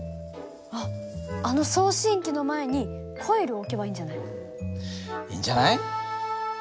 あっあの送信機の前にコイルを置けばいいんじゃない？いいんじゃない？